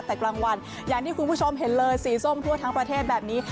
แต่กลางวันอย่างที่คุณผู้ชมเห็นเลยสีส้มทั่วทั้งประเทศแบบนี้